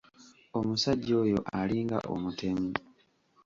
Omusajja oyo alinga omutemu!